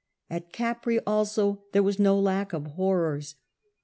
At Caprese also there was no lack of horrors.